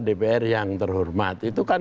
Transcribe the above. dpr yang terhormat itu kan